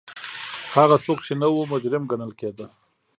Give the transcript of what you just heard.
هغه څوک چې نه وو مجرم ګڼل کېده